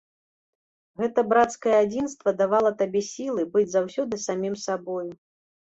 Гэта брацкае адзінства давала табе сілы быць заўсёды самім сабою.